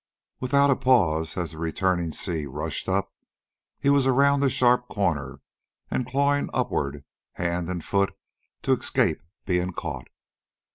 Without pause, as the returning sea rushed up, he was around the sharp corner and clawing upward hand and foot to escape being caught.